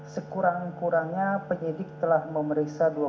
sekurang kurangnya satu lima juta usd yang dijanjikan oleh cbk dan kawan kawan